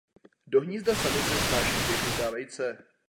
Do hnízda samice snáší dvě žlutá vejce.